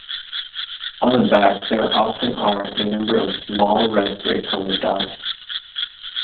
On the back there often are a number of small red-brick coloured dots.